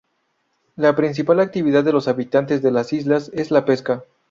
La principal actividad de los habitantes de las islas es la pesca.